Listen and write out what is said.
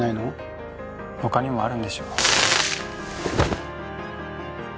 他にもあるんでしょ？